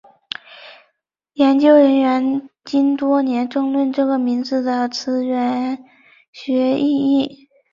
研究人员经多年争论这个名字的词源学意义。